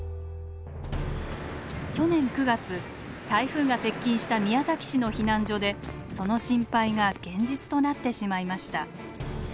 去年９月台風が接近した宮崎市の避難所でその心配が現実となってしまいました。